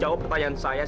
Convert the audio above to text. saya punya permis atas